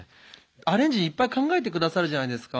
アレンジいっぱい考えてくださるじゃないですか。